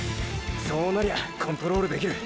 そうなりゃコントロールできる。